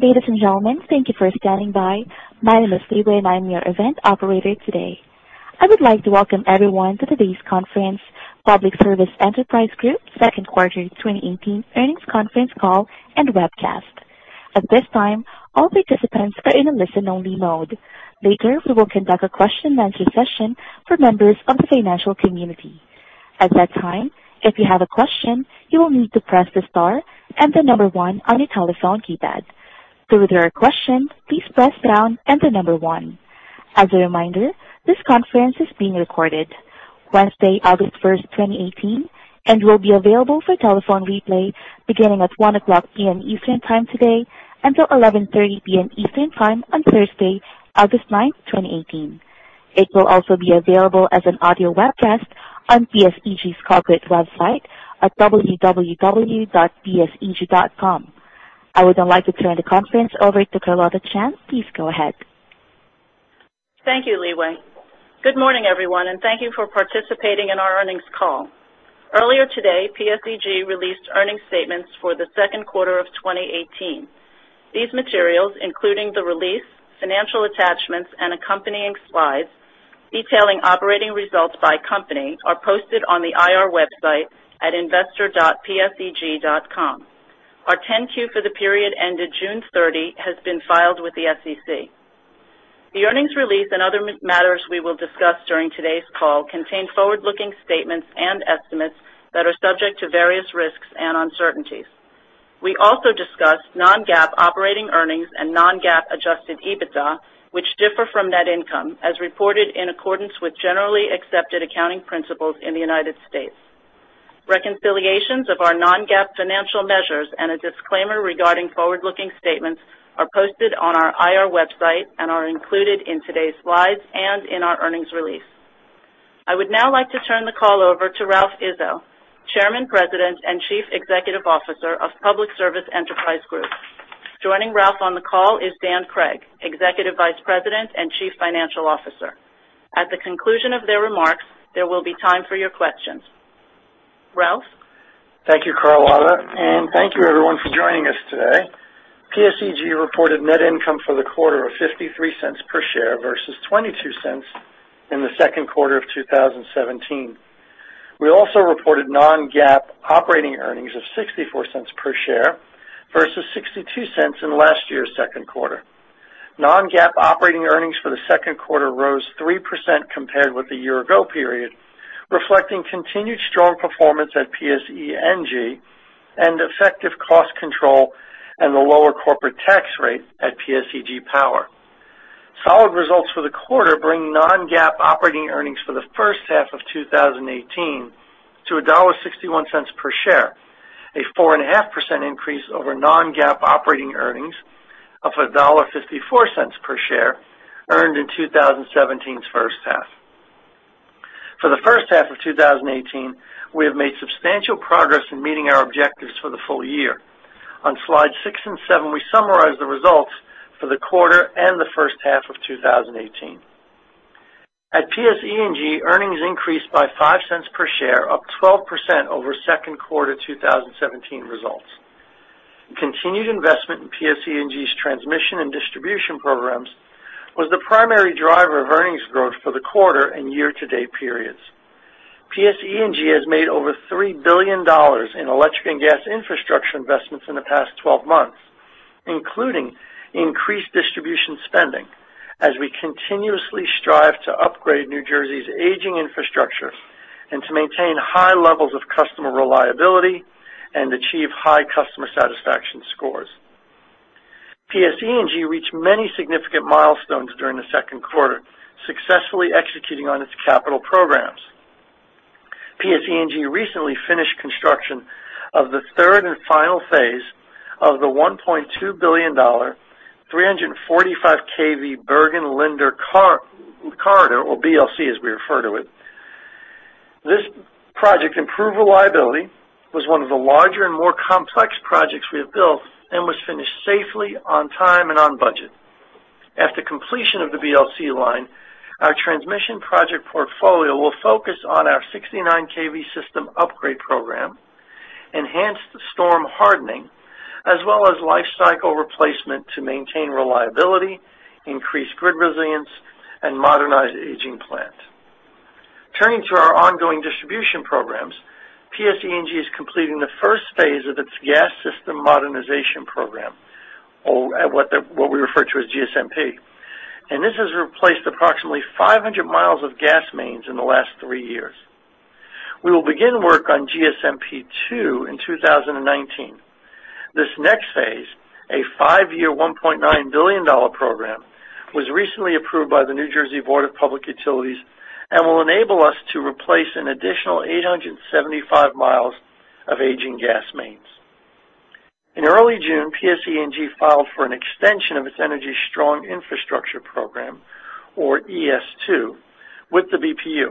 Ladies and gentlemen, thank you for standing by. My name is Leeway, and I am your event operator today. I would like to welcome everyone to today's conference, Public Service Enterprise Group Second Quarter 2018 Earnings Conference Call and Webcast. At this time, all participants are in a listen-only mode. Later, we will conduct a question-and-answer session for members of the financial community. At that time, if you have a question, you will need to press the star and the number 1 on your telephone keypad. To withdraw your question, please press pound and the number 1. As a reminder, this conference is being recorded Wednesday, August first, 2018, and will be available for telephone replay beginning at 1:00 P.M. Eastern Time today until 11:30 P.M. Eastern Time on Thursday, August ninth, 2018. It will also be available as an audio webcast on PSEG's corporate website at www.pseg.com. I would now like to turn the conference over to Carlotta Chan. Please go ahead. Thank you, Leeway. Good morning, everyone, and thank you for participating in our earnings call. Earlier today, PSEG released earnings statements for the second quarter of 2018. These materials, including the release, financial attachments, and accompanying slides detailing operating results by company, are posted on the IR website at investor.pseg.com. Our 10-Q for the period ended June 30 has been filed with the SEC. The earnings release and other matters we will discuss during today's call contain forward-looking statements and estimates that are subject to various risks and uncertainties. We also discuss non-GAAP operating earnings and non-GAAP adjusted EBITDA, which differ from net income as reported in accordance with generally accepted accounting principles in the U.S. Reconciliations of our non-GAAP financial measures and a disclaimer regarding forward-looking statements are posted on our IR website and are included in today's slides and in our earnings release. I would now like to turn the call over to Ralph Izzo, Chairman, President, and Chief Executive Officer of Public Service Enterprise Group. Joining Ralph on the call is Dan Cregg, Executive Vice President and Chief Financial Officer. At the conclusion of their remarks, there will be time for your questions. Ralph? Thank you, Carlotta, and thank you everyone for joining us today. PSEG reported net income for the quarter of $0.53 per share versus $0.22 in the second quarter of 2017. We also reported non-GAAP operating earnings of $0.64 per share versus $0.62 in last year's second quarter. Non-GAAP operating earnings for the second quarter rose 3% compared with the year-ago period, reflecting continued strong performance at PSEG and effective cost control and the lower corporate tax rate at PSEG Power. Solid results for the quarter bring non-GAAP operating earnings for the first half of 2018 to $1.61 per share, a 4.5% increase over non-GAAP operating earnings of $1.54 per share earned in 2017's first half. For the first half of 2018, we have made substantial progress in meeting our objectives for the full year. On slide six and seven, we summarize the results for the quarter and the first half of 2018. At PSEG, earnings increased by $0.05 per share, up 12% over second quarter 2017 results. Continued investment in PSEG's transmission and distribution programs was the primary driver of earnings growth for the quarter and year-to-date periods. PSEG has made over $3 billion in electric and gas infrastructure investments in the past 12 months, including increased distribution spending as we continuously strive to upgrade New Jersey's aging infrastructure and to maintain high levels of customer reliability and achieve high customer satisfaction scores. PSEG reached many significant milestones during the second quarter, successfully executing on its capital programs. PSEG recently finished construction of the third and final phase of the $1.2 billion 345 kV Bergen-Linden Corridor, or BLC, as we refer to it. This project improved reliability, was one of the larger and more complex projects we have built, and was finished safely, on time, and on budget. After completion of the BLC line, our transmission project portfolio will focus on our 69 kV system upgrade program, enhance the storm hardening, as well as life cycle replacement to maintain reliability, increase grid resilience, and modernize aging plant. Turning to our ongoing distribution programs, PSEG is completing the first phase of its Gas System Modernization Program, or what we refer to as GSMP, and this has replaced approximately 500 miles of gas mains in the last three years. We will begin work on GSMP II in 2019. This next phase, a five-year, $1.9 billion program, was recently approved by the New Jersey Board of Public Utilities and will enable us to replace an additional 875 miles of aging gas mains. In early June, PSEG filed for an extension of its Energy Strong Infrastructure Program, or ES2, with the BPU.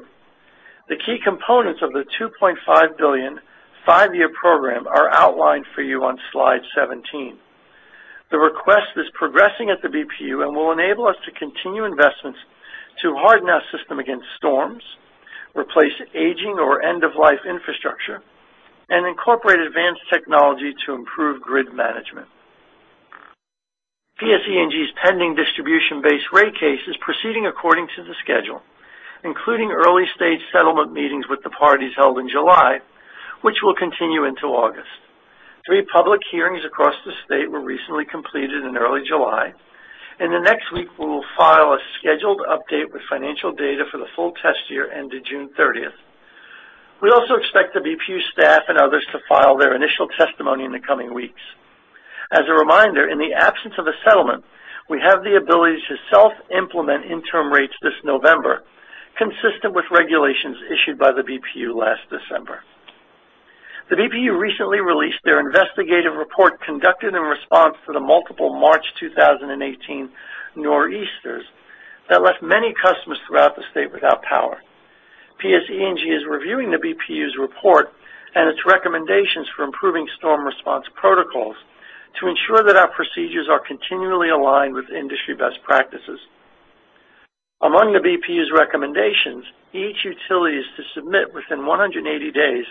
The key components of the $2.5 billion five-year program are outlined for you on slide 17. The request is progressing at the BPU and will enable us to continue investments to harden our system against storms, replace aging or end-of-life infrastructure, and incorporate advanced technology to improve grid management. PSEG's pending distribution-based rate case is proceeding according to the schedule, including early-stage settlement meetings with the parties held in July, which will continue into August. Three public hearings across the state were recently completed in early July. In the next week, we will file a scheduled update with financial data for the full test year ended June 30th. We also expect the BPU staff and others to file their initial testimony in the coming weeks. As a reminder, in the absence of a settlement, we have the ability to self-implement interim rates this November, consistent with regulations issued by the BPU last December. The BPU recently released their investigative report conducted in response to the multiple March 2018 nor'easters that left many customers throughout the state without power. PSEG is reviewing the BPU's report and its recommendations for improving storm response protocols to ensure that our procedures are continually aligned with industry best practices. Among the BPU's recommendations, each utility is to submit within 180 days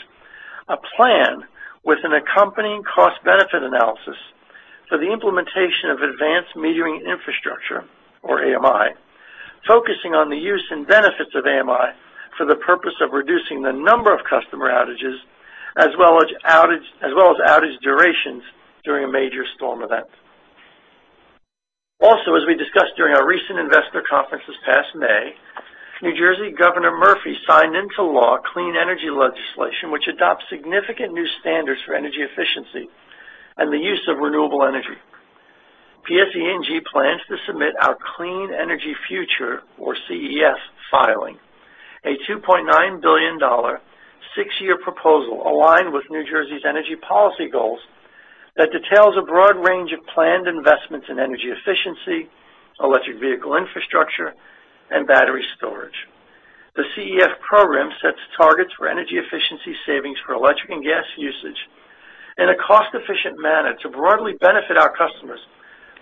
a plan with an accompanying cost-benefit analysis for the implementation of advanced metering infrastructure, or AMI, focusing on the use and benefits of AMI for the purpose of reducing the number of customer outages as well as outage durations during a major storm event. As we discussed during our recent investor conference this past May, New Jersey Governor Murphy signed into law clean energy legislation, which adopts significant new standards for energy efficiency and the use of renewable energy. PSEG plans to submit our Clean Energy Future, or CEF, filing, a $2.9 billion six-year proposal aligned with New Jersey's energy policy goals that details a broad range of planned investments in energy efficiency, electric vehicle infrastructure, and battery storage. The CEF program sets targets for energy efficiency savings for electric and gas usage in a cost-efficient manner to broadly benefit our customers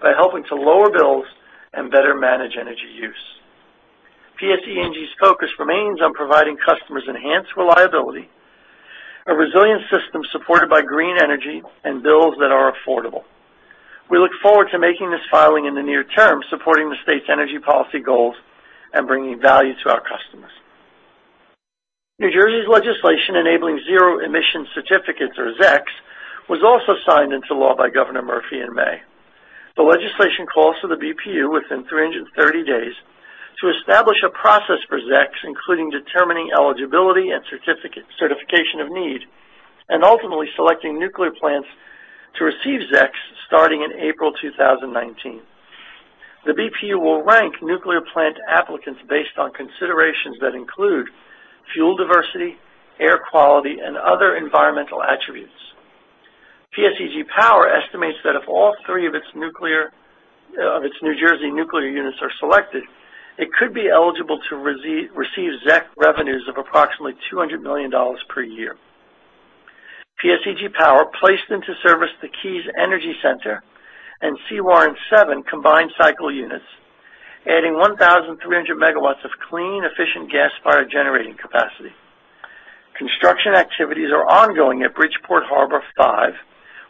by helping to lower bills and better manage energy use. PSEG's focus remains on providing customers enhanced reliability, a resilient system supported by green energy, and bills that are affordable. We look forward to making this filing in the near term, supporting the state's energy policy goals and bringing value to our customers. New Jersey's legislation enabling zero emission certificates, or ZECs, was also signed into law by Governor Murphy in May. The legislation calls for the BPU within 330 days to establish a process for ZECs, including determining eligibility and certification of need, and ultimately selecting nuclear plants to receive ZECs starting in April 2019. The BPU will rank nuclear plant applicants based on considerations that include fuel diversity, air quality, and other environmental attributes. PSEG Power estimates that if all three of its New Jersey nuclear units are selected, it could be eligible to receive ZEC revenues of approximately $200 million per year. PSEG Power placed into service the Keys Energy Center and Sewaren 7 combined cycle units, adding 1,300 megawatts of clean, efficient gas-fired generating capacity. Construction activities are ongoing at Bridgeport Harbor 5,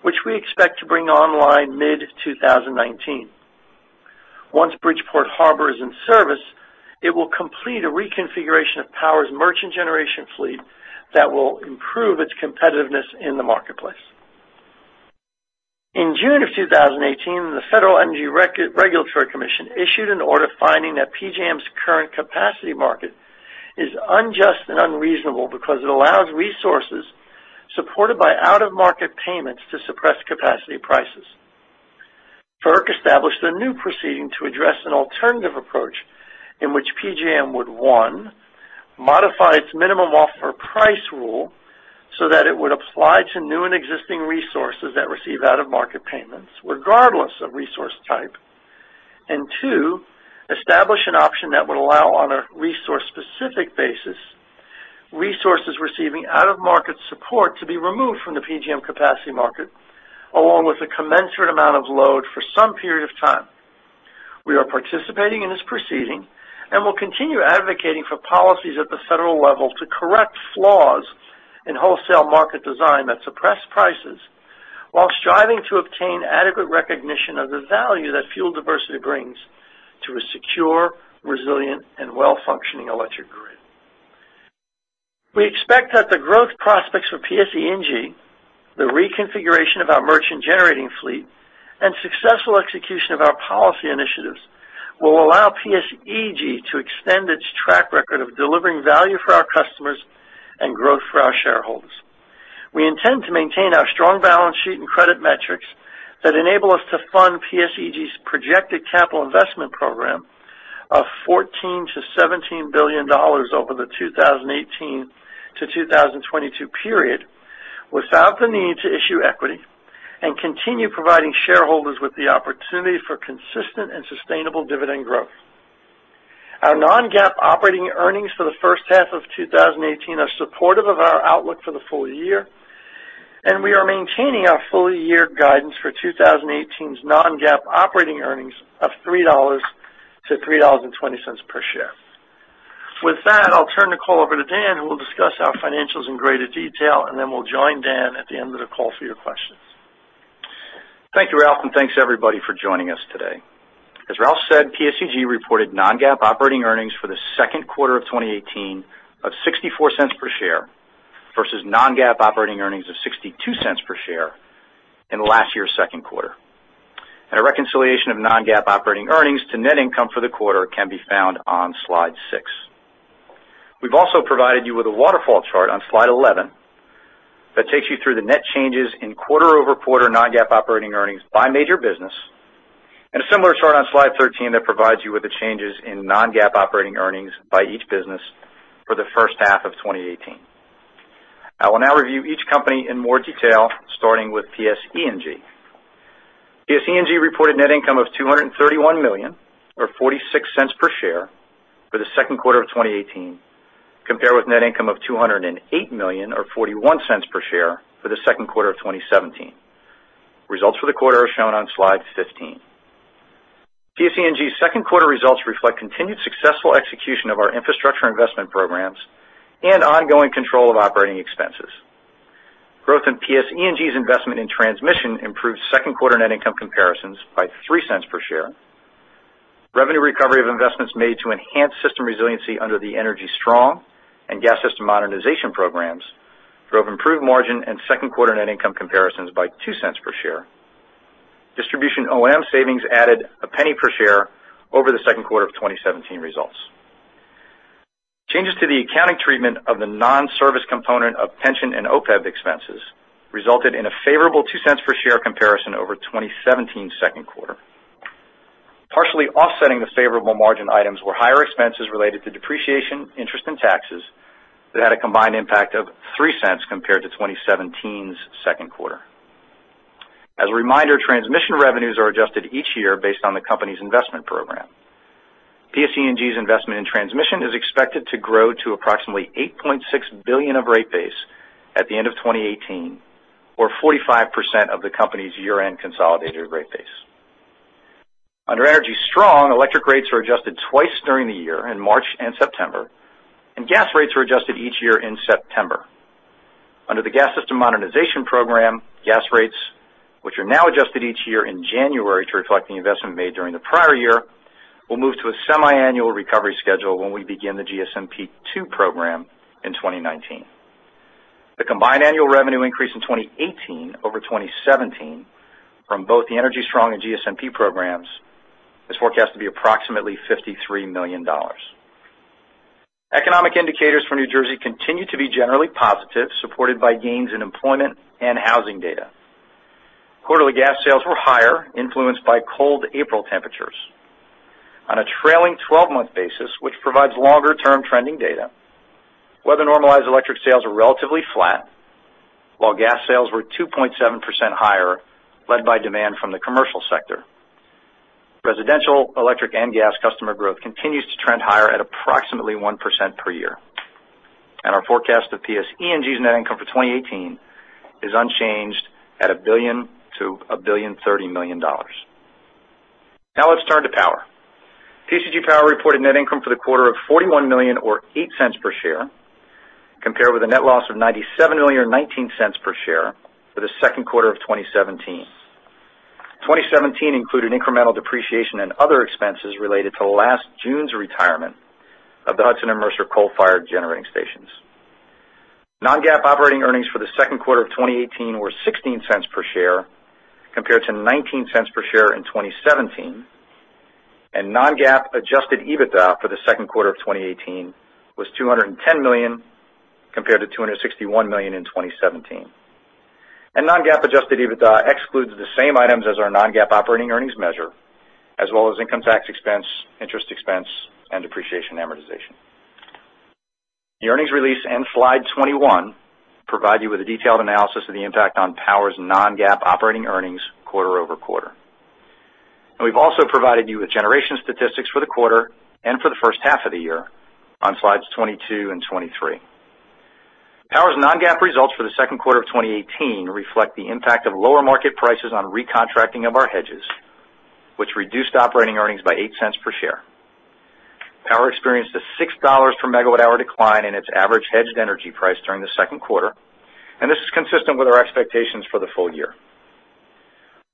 which we expect to bring online mid-2019. Once Bridgeport Harbor is in service, it will complete a reconfiguration of Power's merchant generation fleet that will improve its competitiveness in the marketplace. In June of 2018, the Federal Energy Regulatory Commission issued an order finding that PJM's current capacity market is unjust and unreasonable because it allows resources supported by out-of-market payments to suppress capacity prices. FERC established a new proceeding to address an alternative approach in which PJM would, one, modify its minimum offer price rule so that it would apply to new and existing resources that receive out-of-market payments, regardless of resource type. Two, establish an option that would allow, on a resource-specific basis, resources receiving out-of-market support to be removed from the PJM capacity market, along with a commensurate amount of load for some period of time. We are participating in this proceeding and will continue advocating for policies at the federal level to correct flaws in wholesale market design that suppress prices while striving to obtain adequate recognition of the value that fuel diversity brings to a secure, resilient, and well-functioning electric grid. We expect that the growth prospects for PSEG, the reconfiguration of our merchant generating fleet, and successful execution of our policy initiatives will allow PSEG to extend its track record of delivering value for our customers and growth for our shareholders. We intend to maintain our strong balance sheet and credit metrics that enable us to fund PSEG's projected capital investment program of $14 billion-$17 billion over the 2018 to 2022 period without the need to issue equity and continue providing shareholders with the opportunity for consistent and sustainable dividend growth. Our non-GAAP operating earnings for the first half of 2018 are supportive of our outlook for the full year. We are maintaining our full-year guidance for 2018's non-GAAP operating earnings of $3.00-$3.20 per share. With that, I'll turn the call over to Dan, who will discuss our financials in greater detail, and then we'll join Dan at the end of the call for your questions. Thank you, Ralph, and thanks everybody for joining us today. As Ralph said, PSE&G reported non-GAAP operating earnings for the second quarter of 2018 of $0.64 per share versus non-GAAP operating earnings of $0.62 per share in last year's second quarter. A reconciliation of non-GAAP operating earnings to net income for the quarter can be found on slide six. We've also provided you with a waterfall chart on slide 11 that takes you through the net changes in quarter-over-quarter non-GAAP operating earnings by major business, and a similar chart on slide 13 that provides you with the changes in non-GAAP operating earnings by each business for the first half of 2018. I will now review each company in more detail, starting with PSE&G. PSE&G reported net income of $231 million, or $0.46 per share, for the second quarter of 2018, compared with net income of $208 million, or $0.41 per share, for the second quarter of 2017. Results for the quarter are shown on slide 15. PSE&G's second quarter results reflect continued successful execution of our infrastructure investment programs and ongoing control of operating expenses. Growth in PSE&G's investment in transmission improved second quarter net income comparisons by $0.03 per share. Revenue recovery of investments made to enhance system resiliency under the Energy Strong and Gas System Modernization programs drove improved margin and second quarter net income comparisons by $0.02 per share. Distribution O&M savings added $0.01 per share over the second quarter of 2017 results. Changes to the accounting treatment of the non-service component of pension and OPEB expenses resulted in a favorable $0.02 per share comparison over 2017's second quarter. Partially offsetting the favorable margin items were higher expenses related to depreciation, interest, and taxes that had a combined impact of $0.03 compared to 2017's second quarter. As a reminder, transmission revenues are adjusted each year based on the company's investment program. PSE&G's investment in transmission is expected to grow to approximately $8.6 billion of rate base at the end of 2018, or 45% of the company's year-end consolidated rate base. Under Energy Strong, electric rates are adjusted twice during the year, in March and September, and gas rates are adjusted each year in September. Under the Gas System Modernization Program, gas rates, which are now adjusted each year in January to reflect the investment made during the prior year, will move to a semi-annual recovery schedule when we begin the GSMP II program in 2019. The combined annual revenue increase in 2018 over 2017 from both the Energy Strong and GSMP programs is forecast to be approximately $53 million. Economic indicators for New Jersey continue to be generally positive, supported by gains in employment and housing data. Quarterly gas sales were higher, influenced by cold April temperatures. On a trailing 12-month basis, which provides longer-term trending data, weather-normalized electric sales were relatively flat, while gas sales were 2.7% higher, led by demand from the commercial sector. Residential electric and gas customer growth continues to trend higher at approximately 1% per year. Our forecast of PSE&G's net income for 2018 is unchanged at $1 billion-$1.03 billion. Now let's turn to Power. PSEG Power reported net income for the quarter of $41 million, or $0.08 per share, compared with a net loss of $97 million or $0.19 per share for the second quarter of 2017. 2017 included incremental depreciation and other expenses related to last June's retirement of the Hudson and Mercer coal-fired generating stations. Non-GAAP operating earnings for the second quarter of 2018 were $0.16 per share compared to $0.19 per share in 2017. Non-GAAP adjusted EBITDA for the second quarter of 2018 was $210 million, compared to $261 million in 2017. Non-GAAP adjusted EBITDA excludes the same items as our non-GAAP operating earnings measure, as well as income tax expense, interest expense, and depreciation amortization. The earnings release and slide 21 provide you with a detailed analysis of the impact on Power's non-GAAP operating earnings quarter-over-quarter. We've also provided you with generation statistics for the quarter and for the first half of the year on slides 22 and 23. Power's non-GAAP results for the second quarter of 2018 reflect the impact of lower market prices on recontracting of our hedges, which reduced operating earnings by $0.08 per share. Power experienced a $6 per megawatt-hour decline in its average hedged energy price during the second quarter, and this is consistent with our expectations for the full year.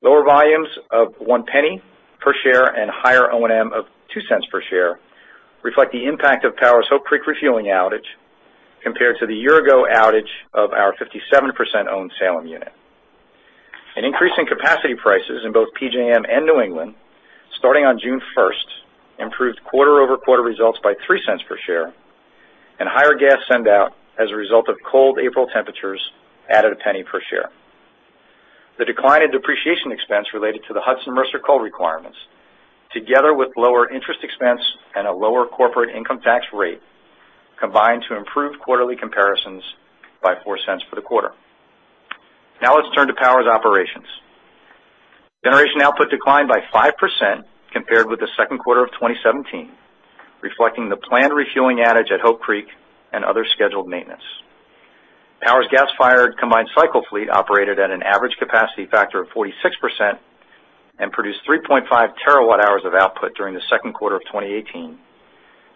Lower volumes of $0.01 per share and higher O&M of $0.02 per share reflect the impact of Power's Hope Creek refueling outage compared to the year-ago outage of our 57%-owned Salem unit. An increase in capacity prices in both PJM and New England starting on June 1st improved quarter-over-quarter results by $0.03 per share, and higher gas sendout as a result of cold April temperatures added $0.01 per share. The decline in depreciation expense related to the Hudson Mercer coal requirements, together with lower interest expense and a lower corporate income tax rate, combined to improve quarterly comparisons by $0.04 for the quarter. Let's turn to Power's operations. Generation output declined by 5% compared with the second quarter of 2017, reflecting the planned refueling outage at Hope Creek and other scheduled maintenance. Power's gas-fired combined cycle fleet operated at an average capacity factor of 46% and produced 3.5 terawatt-hours of output during the second quarter of 2018,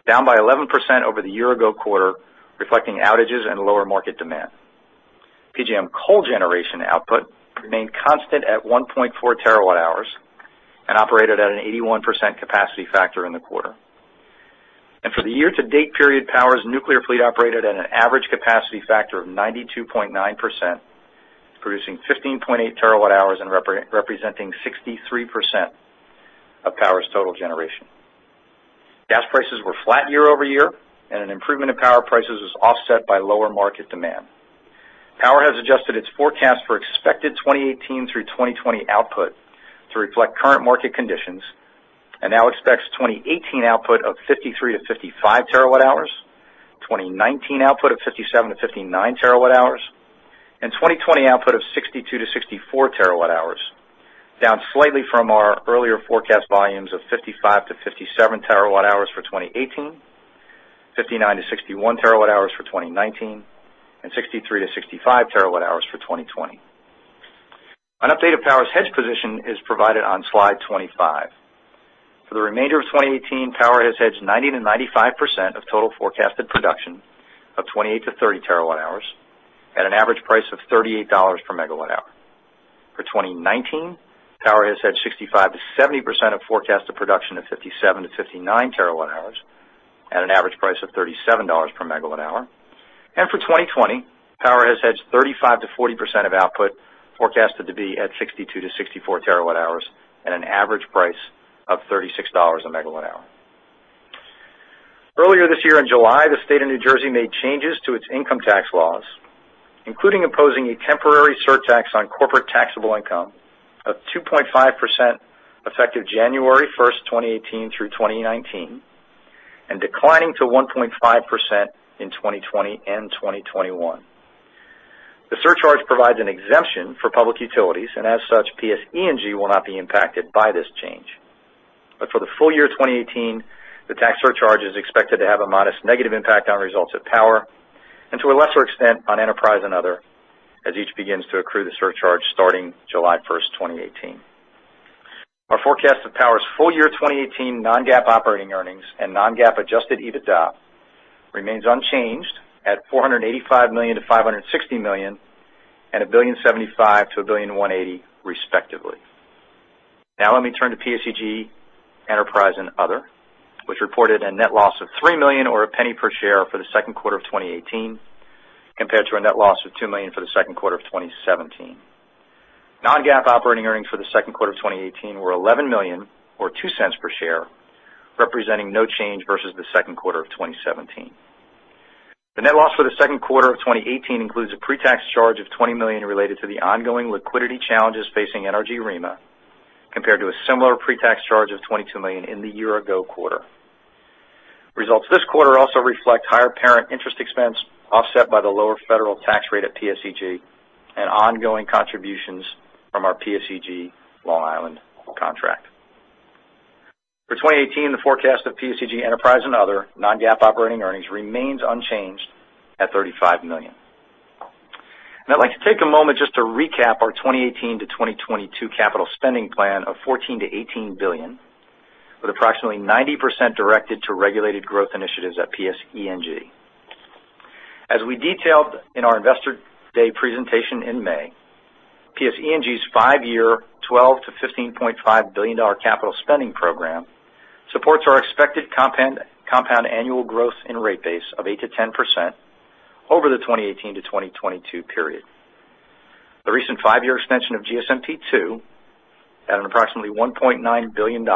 down by 11% over the year-ago quarter, reflecting outages and lower market demand. PJM coal generation output remained constant at 1.4 terawatt-hours and operated at an 81% capacity factor in the quarter. For the year-to-date period, Power's nuclear fleet operated at an average capacity factor of 92.9%, producing 15.8 terawatt-hours and representing 63% of Power's total generation. Gas prices were flat year-over-year, an improvement in power prices was offset by lower market demand. Power has adjusted its forecast for expected 2018 through 2020 output to reflect current market conditions and now expects 2018 output of 53-55 terawatt-hours, 2019 output of 57-59 terawatt-hours, and 2020 output of 62-64 terawatt-hours, down slightly from our earlier forecast volumes of 55-57 terawatt-hours for 2018, 59-61 terawatt-hours for 2019, and 63-65 terawatt-hours for 2020. An updated Power's hedge position is provided on slide 25. For the remainder of 2018, Power has hedged 90%-95% of total forecasted production of 28-30 terawatt-hours at an average price of $38 per megawatt-hour. For 2019, Power has hedged 65%-70% of forecasted production of 57-59 terawatt-hours at an average price of $37 per megawatt-hour. For 2020, Power has hedged 35%-40% of output forecasted to be at 62-64 terawatt-hours at an average price of $36 a megawatt-hour. Earlier this year in July, the state of New Jersey made changes to its income tax laws, including imposing a temporary surtax on corporate taxable income of 2.5% effective January 1st, 2018 through 2019, and declining to 1.5% in 2020 and 2021. The surcharge provides an exemption for public utilities, and as such, PSEG will not be impacted by this change. For the full-year 2018, the tax surcharge is expected to have a modest negative impact on results at Power, and to a lesser extent, on Enterprise and Other as each begins to accrue the surcharge starting July 1st, 2018. Our forecast of Power's full-year 2018 non-GAAP operating earnings and non-GAAP adjusted EBITDA remains unchanged at $485 million-$560 million and $1.075 billion-$1.180 billion respectively. Let me turn to PSEG Enterprise and Other, which reported a net loss of $3 million or $0.01 per share for the second quarter of 2018, compared to a net loss of $2 million for the second quarter of 2017. Non-GAAP operating earnings for the second quarter of 2018 were $11 million or $0.02 per share, representing no change versus the second quarter of 2017. The net loss for the second quarter of 2018 includes a pre-tax charge of $20 million related to the ongoing liquidity challenges facing NRG REMA, compared to a similar pre-tax charge of $22 million in the year-ago quarter. Results this quarter also reflect higher parent interest expense offset by the lower federal tax rate at PSEG and ongoing contributions from our PSEG Long Island contract. For 2018, the forecast of PSEG Enterprise and Other non-GAAP operating earnings remains unchanged at $35 million. I'd like to take a moment just to recap our 2018 to 2022 capital spending plan of $14 billion to $18 billion, with approximately 90% directed to regulated growth initiatives at PSEG. As we detailed in our Investor Day presentation in May, PSEG's five-year $12 billion to $15.5 billion capital spending program supports our expected compound annual growth in rate base of 8%-10% over the 2018 to 2022 period. The recent five-year extension of GSMP II at approximately $1.9 billion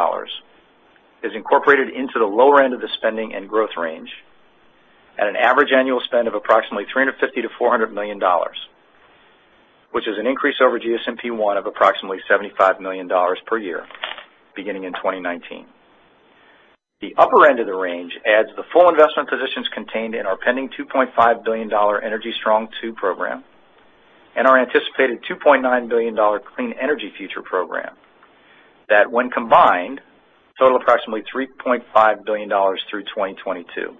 is incorporated into the lower end of the spending and growth range at an average annual spend of approximately $350 million to $400 million, which is an increase over GSMP I of approximately $75 million per year beginning in 2019. The upper end of the range adds the full investment positions contained in our pending $2.5 billion Energy Strong II program and our anticipated $2.9 billion Clean Energy Future program, that when combined, total approximately $3.5 billion through 2022.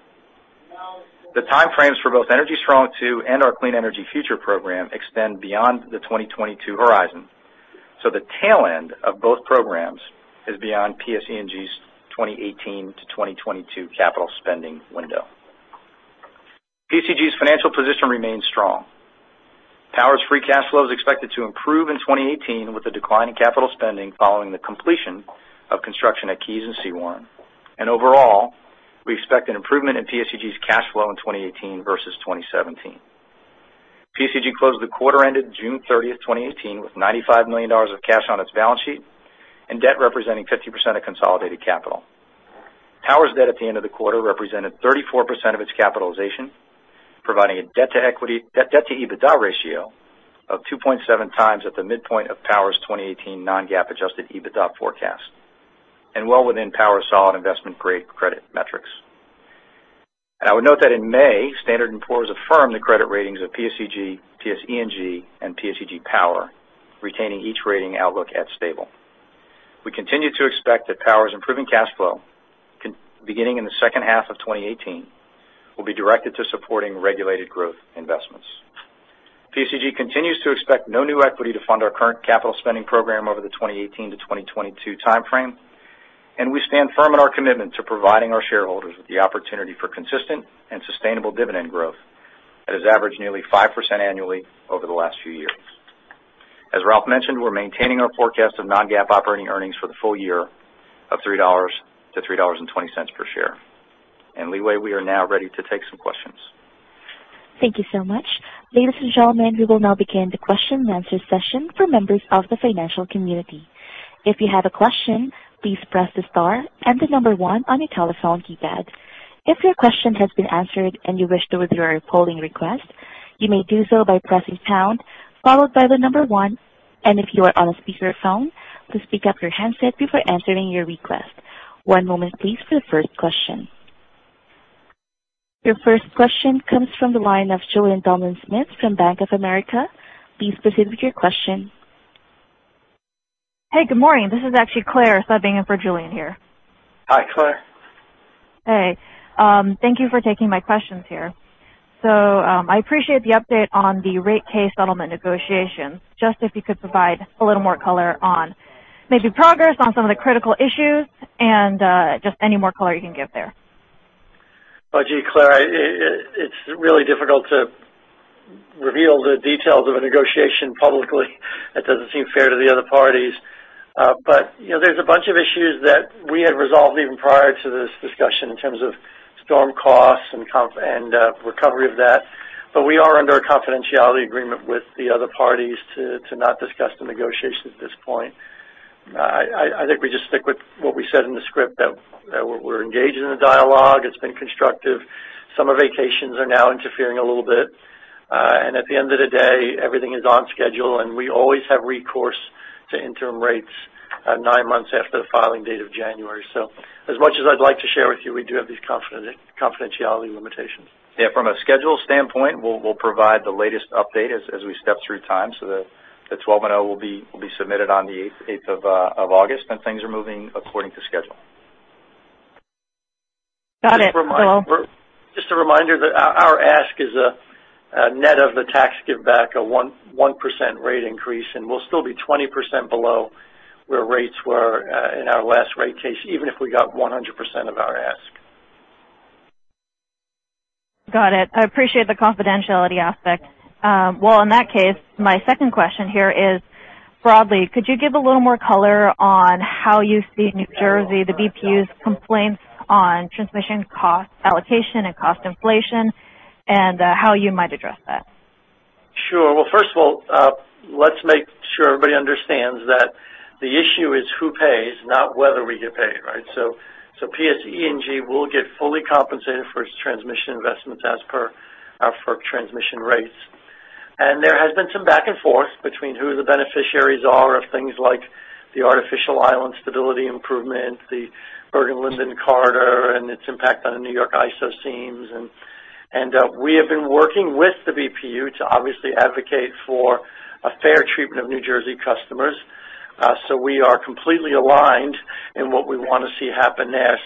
The timeframes for both Energy Strong II and our Clean Energy Future program extend beyond the 2022 horizon. The tail end of both programs is beyond PSEG's 2018 to 2022 capital spending window. PSEG's financial position remains strong. Power's free cash flow is expected to improve in 2018 with the decline in capital spending following the completion of construction at Keys and Sewaren. Overall, we expect an improvement in PSEG's cash flow in 2018 versus 2017. PSEG closed the quarter ended June 30th, 2018, with $95 million of cash on its balance sheet and debt representing 50% of consolidated capital. Power's debt at the end of the quarter represented 34% of its capitalization, providing a debt-to-EBITDA ratio of 2.7 times at the midpoint of Power's 2018 non-GAAP adjusted EBITDA forecast, and well within Power's solid investment-grade credit metrics. I would note that in May, Standard & Poor's affirmed the credit ratings of PSEG, PSE&G, and PSEG Power, retaining each rating outlook at stable. We continue to expect that Power's improving cash flow, beginning in the second half of 2018, will be directed to supporting regulated growth investments. PSEG continues to expect no new equity to fund our current capital spending program over the 2018 to 2022 timeframe. We stand firm in our commitment to providing our shareholders with the opportunity for consistent and sustainable dividend growth that has averaged nearly 5% annually over the last few years. As Ralph mentioned, we're maintaining our forecast of non-GAAP operating earnings for the full year of $3-$3.20 per share. Leeway, we are now ready to take some questions. Thank you so much. Ladies and gentlemen, we will now begin the question and answer session for members of the financial community. If you have a question, please press the star and the one on your telephone keypad. If your question has been answered and you wish to withdraw your polling request, you may do so by pressing pound followed by the one. If you are on a speakerphone, please pick up your handset before answering your request. One moment please for the first question. Your first question comes from the line of Julien Dumoulin-Smith from Bank of America. Please proceed with your question. Hey, good morning. This is actually Claire subbing in for Julian here. Hi, Claire. Hey. Thank you for taking my questions here. I appreciate the update on the rate case settlement negotiations. Just if you could provide a little more color on maybe progress on some of the critical issues and, just any more color you can give there. Oh, gee, Claire. It's really difficult to reveal the details of a negotiation publicly. That doesn't seem fair to the other parties. There's a bunch of issues that we had resolved even prior to this discussion in terms of storm costs and recovery of that. We are under a confidentiality agreement with the other parties to not discuss the negotiations at this point. I think we just stick with what we said in the script, that we're engaged in a dialogue. It's been constructive. Summer vacations are now interfering a little bit. At the end of the day, everything is on schedule, and we always have recourse to interim rates nine months after the filing date of January. As much as I'd like to share with you, we do have these confidentiality limitations. Yeah, from a schedule standpoint, we'll provide the latest update as we step through time. The 10-Q will be submitted on the eighth of August, things are moving according to schedule. Got it. Cool. Just a reminder that our ask is a net of the tax giveback, a 1% rate increase. We'll still be 20% below where rates were in our last rate case, even if we got 100% of our ask. Got it. I appreciate the confidentiality aspect. In that case, my second question here is, broadly, could you give a little more color on how you see New Jersey, the BPU's complaints on transmission cost allocation and cost inflation, and how you might address that? Sure. First of all, let's make sure everybody understands that the issue is who pays, not whether we get paid, right? PSE&G will get fully compensated for its transmission investments as per our FERC transmission rates. There has been some back and forth between who the beneficiaries are of things like the Artificial Island stability improvement, the Bergen-Linden Corridor, and its impact on the New York ISO seams. We have been working with the BPU to obviously advocate for a fair treatment of New Jersey customers. We are completely aligned in what we want to see happen there.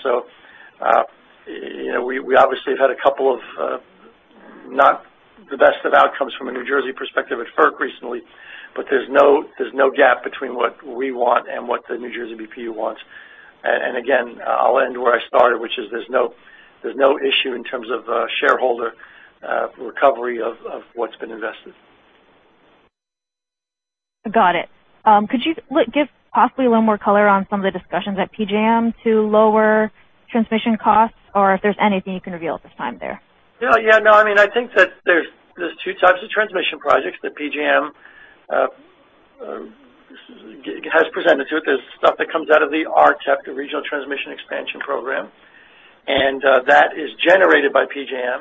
We obviously have had a couple of not the best of outcomes from a New Jersey perspective at FERC recently, but there's no gap between what we want and what the New Jersey BPU wants. Again, I'll end where I started, which is there's no issue in terms of shareholder recovery of what's been invested. Got it. Could you give possibly a little more color on some of the discussions at PJM to lower transmission costs? If there's anything you can reveal at this time there. I think that there's two types of transmission projects that PJM has presented to it. There's stuff that comes out of the RTEP, the Regional Transmission Expansion Plan, and that is generated by PJM.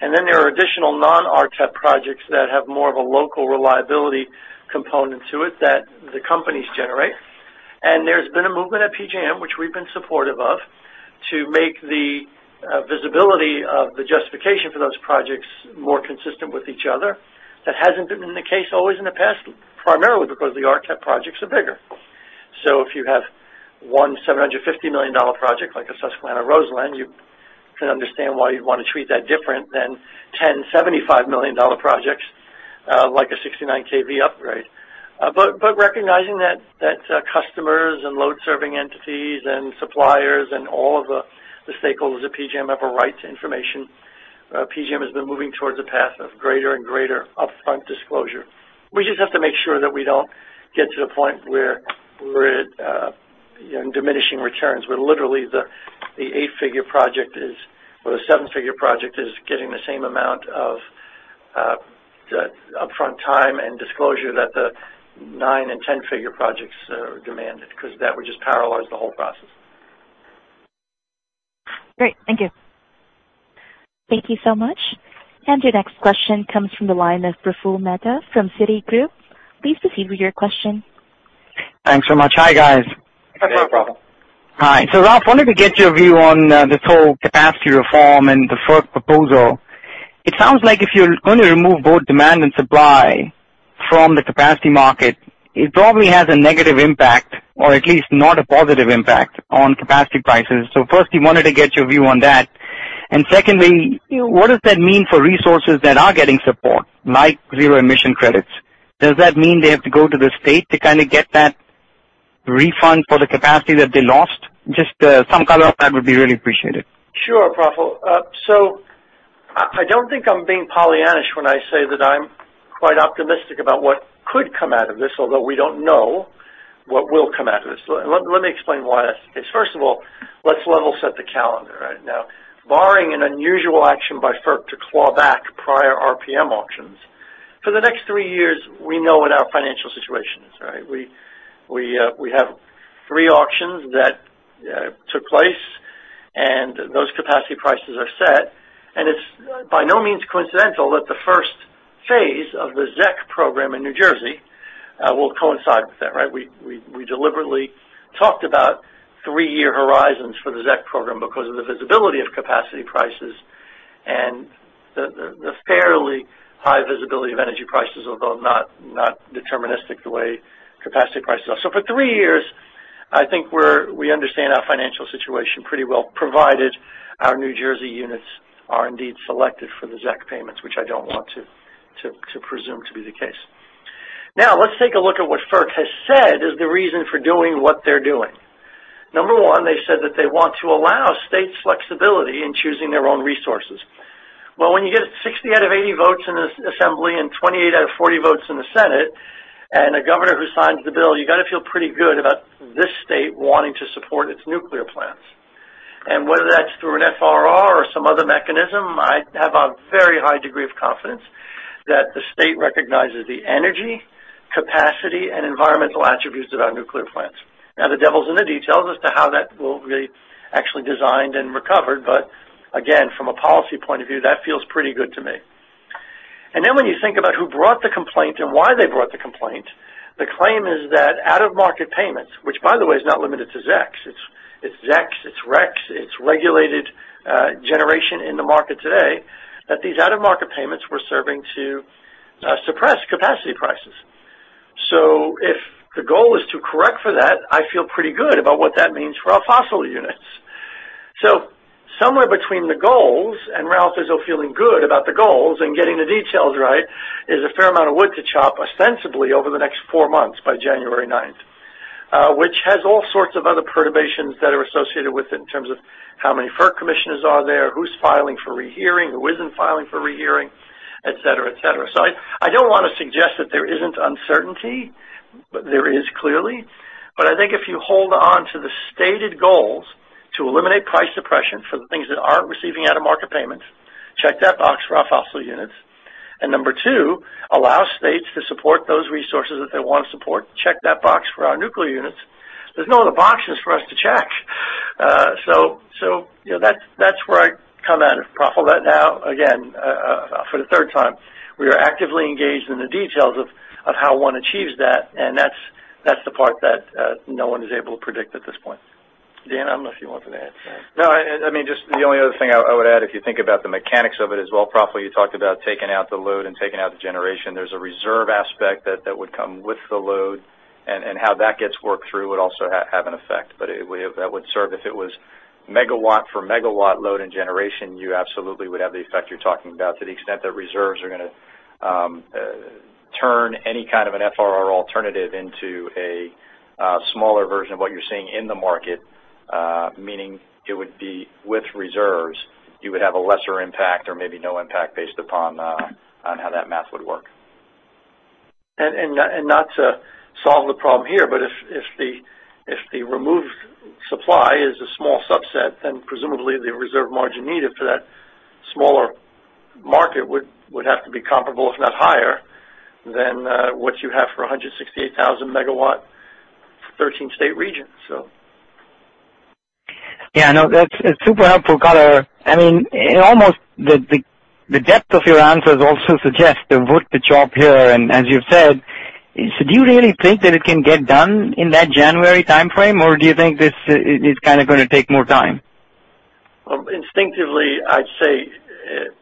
There are additional non-RTEP projects that have more of a local reliability component to it that the companies generate. There's been a movement at PJM, which we've been supportive of, to make the visibility of the justification for those projects more consistent with each other. That hasn't been the case always in the past, primarily because the RTEP projects are bigger. If you have one $750 million project like a Susquehanna-Roseland, you can understand why you'd want to treat that different than 10 $75 million projects, like a 69 kV upgrade. Recognizing that customers and load-serving entities and suppliers and all of the stakeholders of PJM have a right to information, PJM has been moving towards a path of greater and greater upfront disclosure. We just have to make sure that we don't get to the point where we're in diminishing returns, where literally the seven-figure project is getting the same amount of upfront time and disclosure that the nine and 10-figure projects demanded, because that would just paralyze the whole process. Great. Thank you. Thank you so much. Your next question comes from the line of Praful Mehta from Citigroup. Please proceed with your question. Thanks so much. Hi, guys. Hi, Praful. Hi. Ralph, wanted to get your view on this whole capacity reform and the FERC proposal. It sounds like if you're going to remove both demand and supply from the capacity market, it probably has a negative impact, or at least not a positive impact, on capacity prices. Firstly, wanted to get your view on that. Secondly, what does that mean for resources that are getting support, like zero emission certificates? Does that mean they have to go to the state to get that refund for the capacity that they lost? Just some color on that would be really appreciated. Sure, Praful. I don't think I'm being Pollyanna-ish when I say that I'm quite optimistic about what could come out of this, although we don't know what will come out of this. Let me explain why that's the case. First of all, let's level set the calendar right now. Barring an unusual action by FERC to claw back prior RPM auctions, for the next 3 years, we know what our financial situation is. We have 3 auctions that took place, and those capacity prices are set, and it's by no means coincidental that the first phase of the ZEC program in New Jersey will coincide with that. We deliberately talked about 3-year horizons for the ZEC program because of the visibility of capacity prices and the fairly high visibility of energy prices, although not deterministic the way capacity prices are. For 3 years, I think we understand our financial situation pretty well, provided our New Jersey units are indeed selected for the ZEC payments, which I don't want to presume to be the case. Now, let's take a look at what FERC has said is the reason for doing what they're doing. Number 1, they said that they want to allow states flexibility in choosing their own resources. Well, when you get 60 out of 80 votes in the assembly and 28 out of 40 votes in the Senate, and a governor who signs the bill, you got to feel pretty good about this state wanting to support its nuclear plants. Whether that's through an FRR or some other mechanism, I have a very high degree of confidence that the state recognizes the energy, capacity, and environmental attributes at our nuclear plants. The devil's in the details as to how that will be actually designed and recovered, but again, from a policy point of view, that feels pretty good to me. When you think about who brought the complaint and why they brought the complaint, the claim is that out-of-market payments, which by the way, is not limited to ZECs. It's ZECs, it's RECs, it's regulated generation in the market today, that these out-of-market payments were serving to suppress capacity prices. If the goal is to correct for that, I feel pretty good about what that means for our fossil units. Somewhere between the goals and Ralph Izzo feeling good about the goals and getting the details right, is a fair amount of wood to chop ostensibly over the next 4 months by January 9th. Which has all sorts of other perturbations that are associated with it in terms of how many FERC commissioners are there, who's filing for rehearing, who isn't filing for rehearing, et cetera. I don't want to suggest that there isn't uncertainty, but there is clearly. I think if you hold on to the stated goals to eliminate price suppression for the things that aren't receiving out-of-market payments, check that box for our fossil units. Number 2, allow states to support those resources that they want to support, check that box for our nuclear units. There's no other boxes for us to check. That's where I come at it, Praful. Now, again, for the third time, we are actively engaged in the details of how one achieves that, and that's the part that no one is able to predict at this point. Dan, I don't know if you want to add anything. No, the only other thing I would add, if you think about the mechanics of it as well, Praful, you talked about taking out the load and taking out the generation. There's a reserve aspect that would come with the load, and how that gets worked through would also have an effect. That would serve if it was megawatt for megawatt load and generation, you absolutely would have the effect you're talking about to the extent that reserves are going to turn any kind of an FRR alternative into a smaller version of what you're seeing in the market. It would be with reserves, you would have a lesser impact or maybe no impact based upon how that math would work. Not to solve the problem here, but if the removed supply is a small subset, then presumably the reserve margin needed for that smaller market would have to be comparable, if not higher, than what you have for 168,000 megawatt, 13-state region. Yeah, no, that's a super helpful color. Almost the depth of your answers also suggest the wood to chop here, and as you've said. Do you really think that it can get done in that January timeframe, or do you think this is going to take more time? Instinctively, I'd say it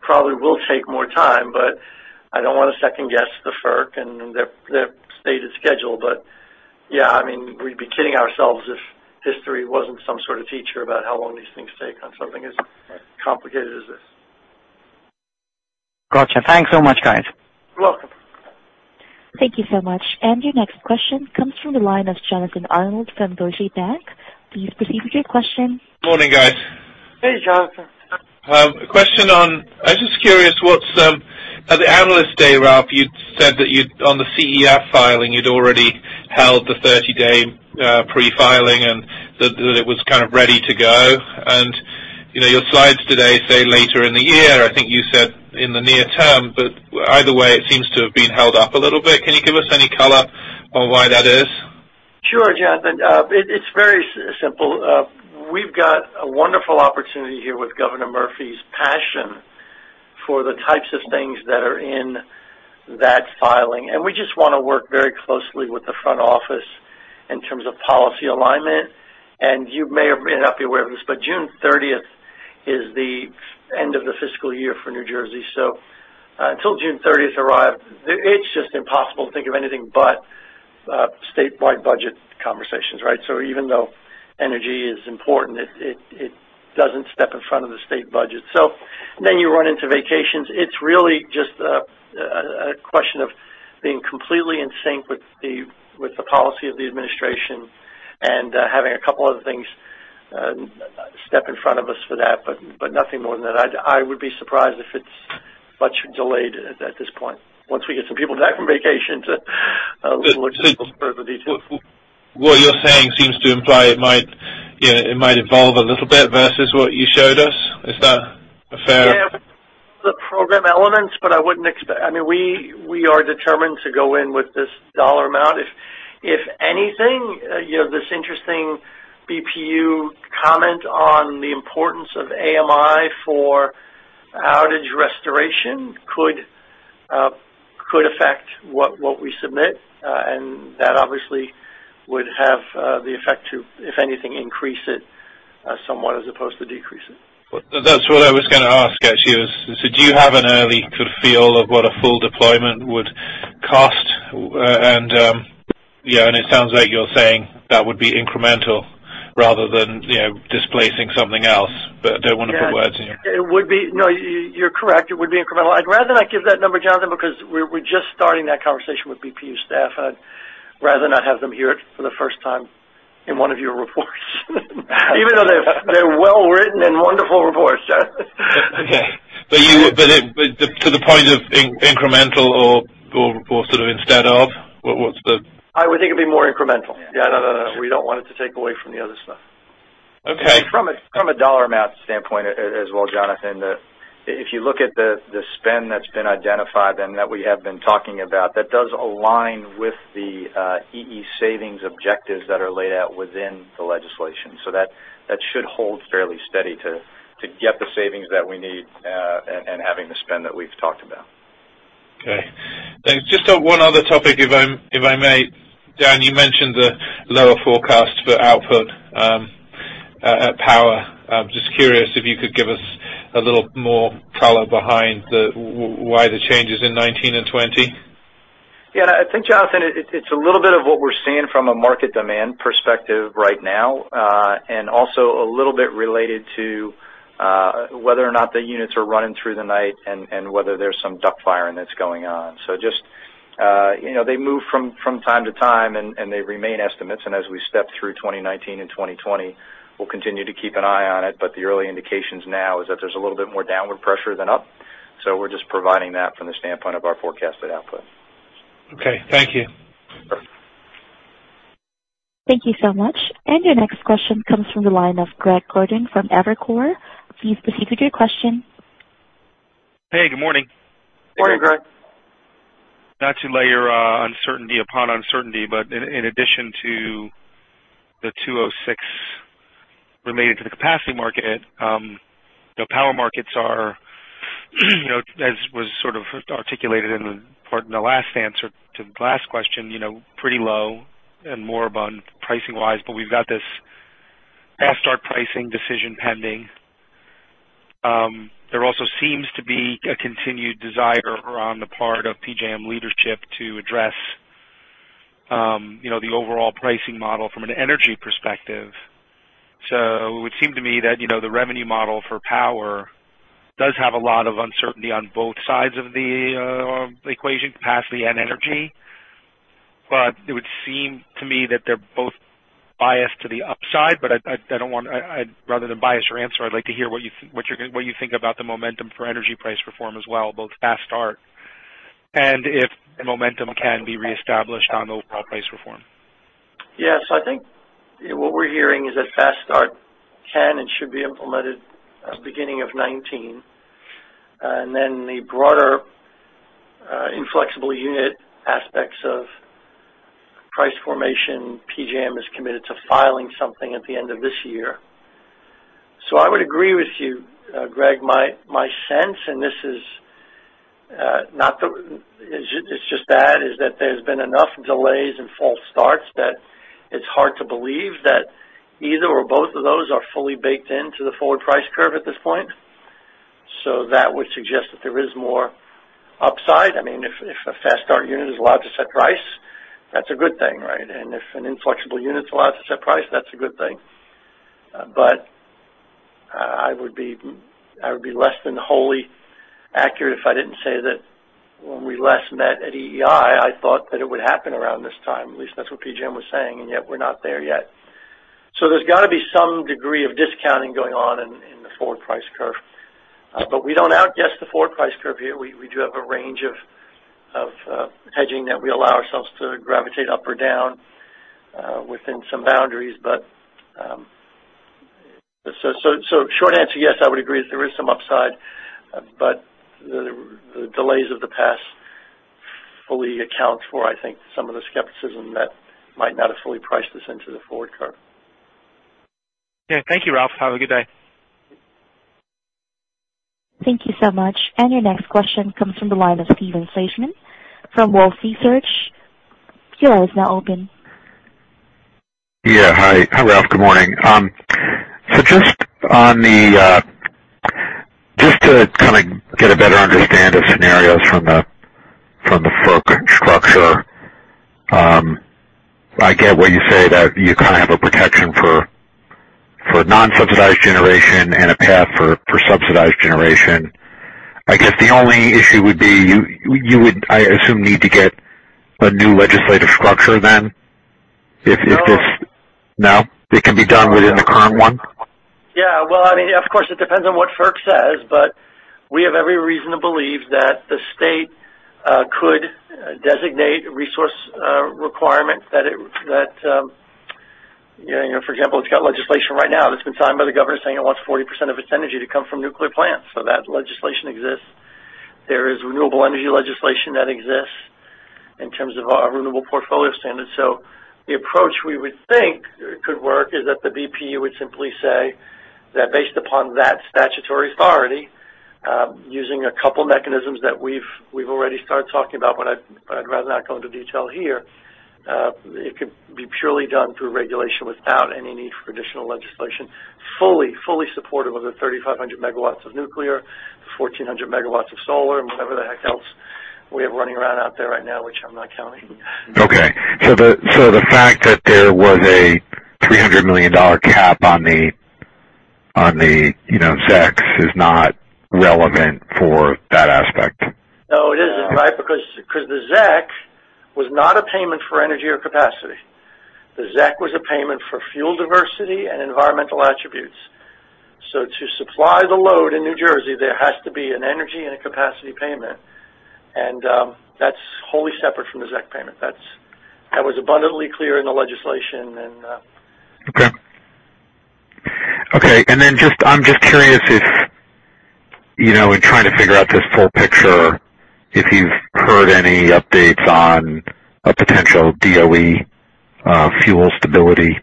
probably will take more time, but I don't want to second guess the FERC and their stated schedule. Yeah, we'd be kidding ourselves if history wasn't some sort of teacher about how long these things take on something as complicated as this. Got you. Thanks so much, guys. You're welcome. Thank you so much. Your next question comes from the line of Jonathan Arnold from Deutsche Bank. Please proceed with your question. Morning, guys. Hey, Jonathan. I was just curious, at the Analyst Day, Ralph, you'd said that on the CEF filing, you'd already held the 30-day pre-filing and that it was ready to go. Your slides today say later in the year. I think you said in the near term, either way, it seems to have been held up a little bit. Can you give us any color on why that is? Sure, Jonathan. It's very simple. We've got a wonderful opportunity here with Phil Murphy's passion for the types of things that are in that filing, we just want to work very closely with the front office in terms of policy alignment. You may or may not be aware of this, June 30th is the end of the fiscal year for New Jersey. Until June 30th arrives, it's just impossible to think of anything but statewide budget conversations, right? Even though energy is important, it doesn't step in front of the state budget. You run into vacations. It's really just a question of being completely in sync with the policy of the administration and having a couple other things step in front of us for that, nothing more than that. I would be surprised if it's much delayed at this point. Once we get some people back from vacation to look a little further detail. What you're saying seems to imply it might evolve a little bit versus what you showed us. Is that a fair- Yeah. The program elements, we are determined to go in with this dollar amount. If anything, you have this interesting BPU comment on the importance of AMI for outage restoration could affect what we submit. That obviously would have the effect to, if anything, increase it somewhat as opposed to decrease it. That's what I was going to ask, actually, is, do you have an early feel of what a full deployment would cost? It sounds like you're saying that would be incremental rather than displacing something else. I don't want to put words in your mouth. It would be. No, you're correct. It would be incremental. I'd rather not give that number, Jonathan, because we're just starting that conversation with BPU staff. I'd rather not have them hear it for the first time in one of your reports. Even though they're well-written and wonderful reports, Jonathan. Okay. To the point of incremental or report instead of, what's the- I would think it'd be more incremental. Yeah, no, no. We don't want it to take away from the other stuff. Okay. From a dollar amount standpoint as well, Jonathan, if you look at the spend that's been identified and that we have been talking about, that does align with the EE savings objectives that are laid out within the legislation. That should hold fairly steady to get the savings that we need, and having the spend that we've talked about. Okay, thanks. Just one other topic, if I may. Dan, you mentioned the lower forecast for output at PSEG Power. I'm just curious if you could give us a little more color behind why the changes in 2019 and 2020. I think, Jonathan, it's a little bit of what we're seeing from a market demand perspective right now. Also a little bit related to whether or not the units are running through the night and whether there's some duck curve that's going on. Just they move from time to time, and they remain estimates. As we step through 2019 and 2020, we'll continue to keep an eye on it. The early indications now is that there's a little bit more downward pressure than up. We're just providing that from the standpoint of our forecasted output. Okay. Thank you. Sure. Thank you so much. Your next question comes from the line of Greg Gordon from Evercore. Please proceed with your question. Hey, good morning. Morning, Greg. In addition to the 206 remaining to the capacity market, the power markets are, as was sort of articulated in part in the last answer to the last question, pretty low and more bond pricing-wise. We've got this fast start pricing decision pending. There also seems to be a continued desire on the part of PJM leadership to address the overall pricing model from an energy perspective. It would seem to me that the revenue model for power does have a lot of uncertainty on both sides of the equation, capacity and energy. It would seem to me that they're both biased to the upside. Rather than bias your answer, I'd like to hear what you think about the momentum for energy price reform as well, both fast start and if momentum can be reestablished on overall price reform. Yes. I think what we're hearing is that fast start can and should be implemented as beginning of 2019. Then the broader inflexible unit aspects of price formation, PJM is committed to filing something at the end of this year. I would agree with you, Greg. My sense, and it's just that, is that there's been enough delays and false starts that it's hard to believe that either or both of those are fully baked into the forward price curve at this point. That would suggest that there is more upside. If a fast start unit is allowed to set price, that's a good thing, right? If an inflexible unit's allowed to set price, that's a good thing. I would be less than wholly accurate if I didn't say that when we last met at EEI, I thought that it would happen around this time. At least that's what PJM was saying, and yet we're not there yet. There's got to be some degree of discounting going on in the forward price curve. We don't outguess the forward price curve here. We do have a range of hedging that we allow ourselves to gravitate up or down within some boundaries. Short answer, yes, I would agree that there is some upside, but the delays of the past fully account for, I think, some of the skepticism that might not have fully priced this into the forward curve. Yeah. Thank you, Ralph. Have a good day. Thank you so much. Your next question comes from the line of Steve Fleishman from Wolfe Research. Your line is now open. Yeah. Hi, Ralph. Good morning. Just to get a better understand of scenarios from the FERC structure. I get what you say that you have a protection for non-subsidized generation and a path for subsidized generation. I guess the only issue would be you would, I assume, need to get a new legislative structure then if this- No. No? It can be done within the current one? Well, of course, it depends on what FERC says. We have every reason to believe that the state could designate resource requirements. For example, it has legislation right now that has been signed by the Governor saying it wants 40% of its energy to come from nuclear plants. That legislation exists. There is renewable energy legislation that exists in terms of our renewable portfolio standards. The approach we would think could work is that the BPU would simply say that based upon that statutory authority, using a couple mechanisms that we have already started talking about, but I would rather not go into detail here. It could be purely done through regulation without any need for additional legislation, fully supportive of the 3,500 megawatts of nuclear, 1,400 megawatts of solar, and whatever the heck else we have running around out there right now, which I am not counting. Okay. The fact that there was a $300 million cap on the ZEC is not relevant for that aspect. No, it isn't, right? Because the ZEC was not a payment for energy or capacity. The ZEC was a payment for fuel diversity and environmental attributes. To supply the load in New Jersey, there has to be an energy and a capacity payment, and that's wholly separate from the ZEC payment. That was abundantly clear in the legislation. Okay. Then I'm just curious if, in trying to figure out this full picture, if you've heard any updates on a potential DOE fuel stability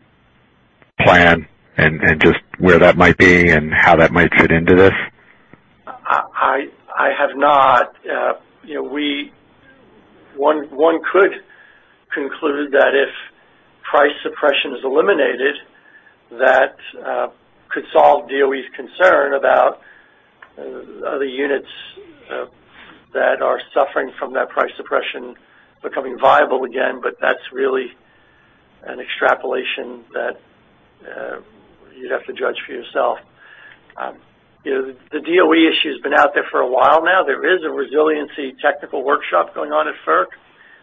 plan and just where that might be and how that might fit into this? I have not. One could conclude that if price suppression is eliminated, that could solve DOE's concern about other units that are suffering from that price suppression becoming viable again. That's really an extrapolation that you'd have to judge for yourself. The DOE issue's been out there for a while now. There is a resiliency technical workshop going on at FERC.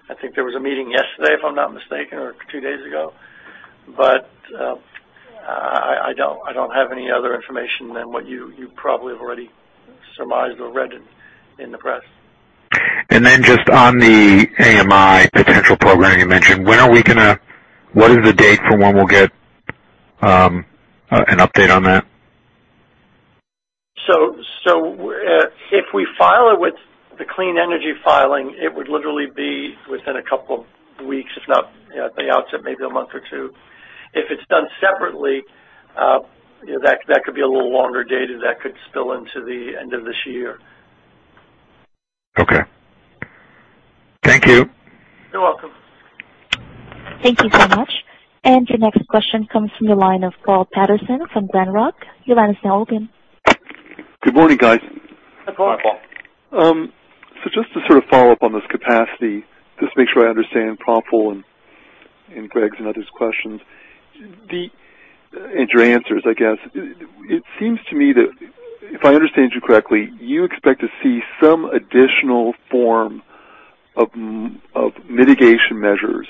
I think there was a meeting yesterday, if I'm not mistaken, or two days ago. I don't have any other information than what you probably have already surmised or read in the press. Then just on the AMI potential program you mentioned, what is the date for when we'll get an update on that? If we file it with the clean energy filing, it would literally be within a couple of weeks, if not at the outset, maybe a month or two. If it's done separately, that could be a little longer dated. That could spill into the end of this year. Okay. Thank you. You're welcome. Thank you so much. Your next question comes from the line of Paul Patterson from Glenrock. Your line is now open. Good morning, guys. Hi, Paul. Just to sort of follow up on this capacity, just make sure I understand Praful and Greg's and others questions and your answers, I guess. It seems to me that if I understand you correctly, you expect to see some additional form of mitigation measures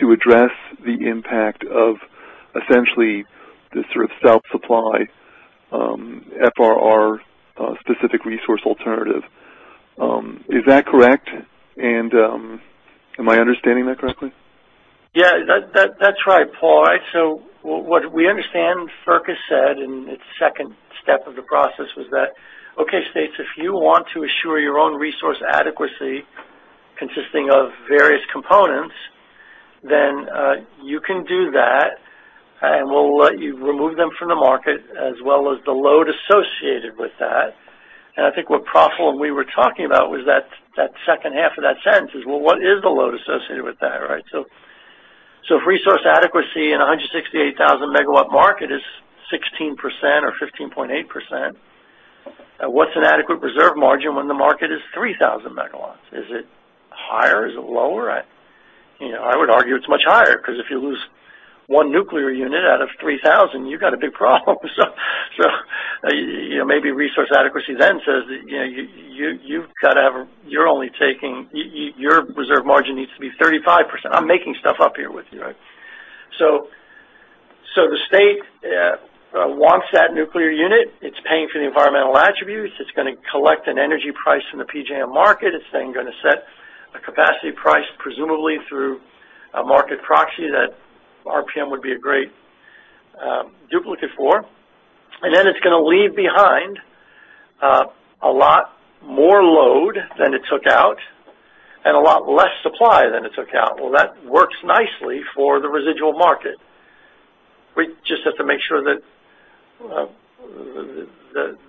to address the impact of essentially this sort of self-supply FRR specific resource alternative. Is that correct? Am I understanding that correctly? Yeah. That's right, Paul. What we understand FERC has said in its second step of the process was that, okay, states, if you want to assure your own resource adequacy consisting of various components, then you can do that, and we'll let you remove them from the market as well as the load associated with that. I think what Praful and we were talking about was that second half of that sentence is, well, what is the load associated with that, right? If resource adequacy in 168,000 megawatt market is 16% or 15.8%, what's an adequate reserve margin when the market is 3,000 megawatts? Is it higher? Is it lower? I would argue it's much higher because if you lose one nuclear unit out of 3,000, you've got a big problem. Maybe resource adequacy then says that your reserve margin needs to be 35%. I'm making stuff up here with you. The state wants that nuclear unit. It's paying for the environmental attributes. It's going to collect an energy price from the PJM market. It's then going to set Capacity priced presumably through a market proxy that RPM would be a great duplicate for. Then it's going to leave behind a lot more load than it took out and a lot less supply than it took out. That works nicely for the residual market. We just have to make sure that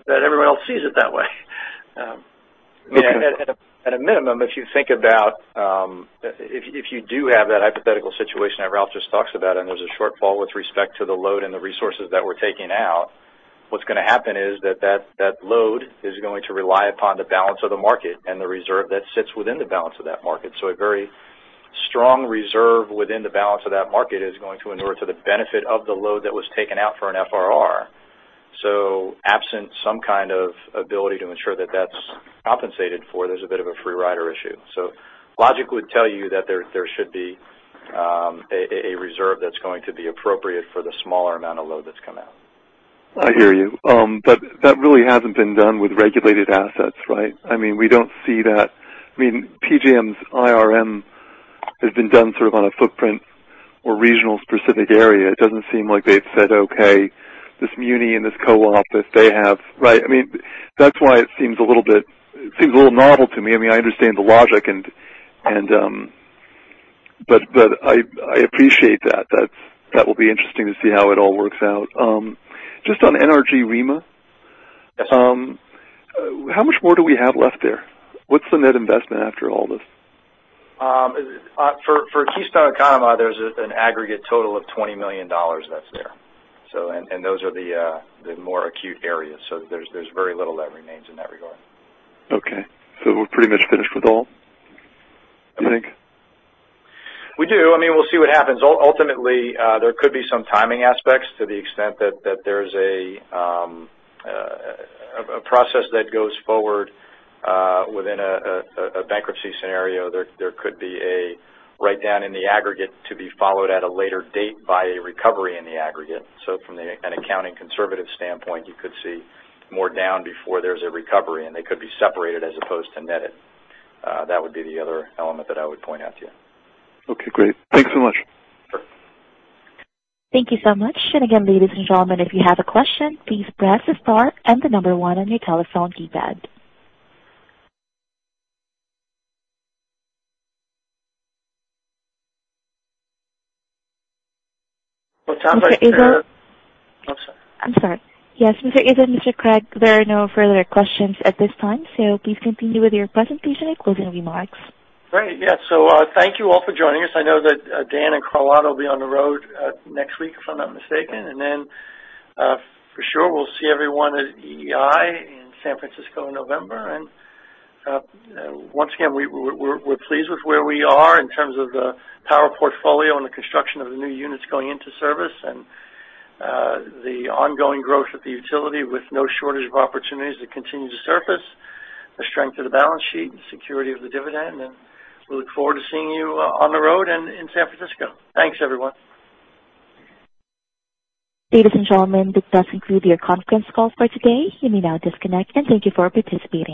everyone else sees it that way. Yeah. At a minimum, if you do have that hypothetical situation that Ralph just talks about, there's a shortfall with respect to the load and the resources that we're taking out, what's going to happen is that load is going to rely upon the balance of the market and the reserve that sits within the balance of that market. A very strong reserve within the balance of that market is going to inure to the benefit of the load that was taken out for an FRR. Absent some kind of ability to ensure that that's compensated for, there's a bit of a free rider issue. Logic would tell you that there should be a reserve that's going to be appropriate for the smaller amount of load that's come out. I hear you. That really hasn't been done with regulated assets, right? PJM's IRM has been done sort of on a footprint or regional specific area. It doesn't seem like they've said, "Okay, this muni and this co-op, if they have" Right? That's why it seems a little novel to me. I understand the logic, but I appreciate that. That will be interesting to see how it all works out. Just on NRG REMA. Yes. How much more do we have left there? What's the net investment after all this? For Keystone and Conemaugh, there's an aggregate total of $20 million that's there. Those are the more acute areas. There's very little that remains in that regard. Okay. We're pretty much finished with all, you think? We do. We'll see what happens. Ultimately, there could be some timing aspects to the extent that there's a process that goes forward within a bankruptcy scenario. There could be a write-down in the aggregate to be followed at a later date by a recovery in the aggregate. From an accounting conservative standpoint, you could see more down before there's a recovery, and they could be separated as opposed to netted. That would be the other element that I would point out to you. Okay, great. Thanks so much. Sure. Thank you so much. Again, ladies and gentlemen, if you have a question, please press the star and the number one on your telephone keypad. Well, it sounds like Mr. Izzo. I'm sorry. I'm sorry. Yes, Mr. Izzo, Mr. Cregg, there are no further questions at this time. Please continue with your presentation and closing remarks. Thank you all for joining us. I know that Dan and Carlotta will be on the road next week, if I'm not mistaken. For sure, we'll see everyone at EEI in San Francisco in November. Once again, we're pleased with where we are in terms of the power portfolio and the construction of the new units going into service and the ongoing growth of the utility with no shortage of opportunities that continue to surface, the strength of the balance sheet and security of the dividend. We look forward to seeing you on the road and in San Francisco. Thanks, everyone. Ladies and gentlemen, this does conclude your conference call for today. You may now disconnect, and thank you for participating.